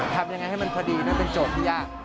ทำยังไงให้มันพอดีนั่นเป็นโจทย์ที่ยาก